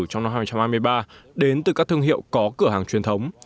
trong năm hai nghìn hai mươi ba đến từ các thương hiệu có cửa hàng truyền thống